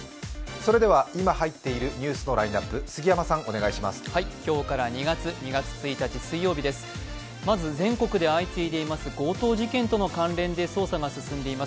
それでは今入っているニュースのラインナップ、お願いします。